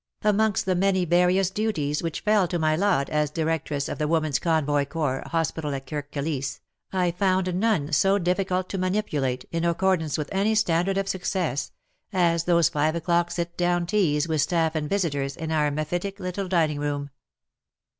Amongst the many various duties which fell to my lot as Directrice of the Women's Convoy Corps Hospital at Kirk Kilisse, I found none so difficult to manipulate, in accordance with any standard of success, as those five o'clock sit down teas, with staff and visitors, in our mephitic little dining room.